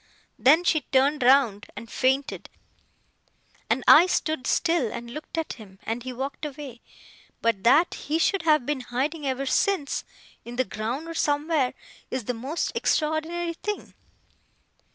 Then she turned round and fainted, and I stood still and looked at him, and he walked away; but that he should have been hiding ever since (in the ground or somewhere), is the most extraordinary thing!